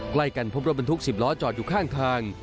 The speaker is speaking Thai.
ใกล้กันพบรถบรรทุก๑๐ล้อจอดอยู่ข้างทาง